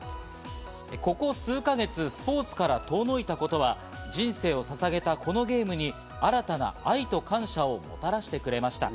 ここ数か月、スポーツから遠のいたことは人生を捧げたこのゲームに新たな愛と感謝をもたらしてくれました。